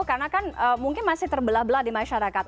karena kan mungkin masih terbelah belah di masyarakat